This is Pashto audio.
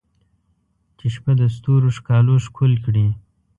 چې شپه د ستورو ښکالو ښکل کړي